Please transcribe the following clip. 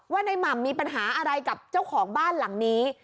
ในหม่ำมีปัญหาอะไรกับเจ้าของบ้านหลังนี้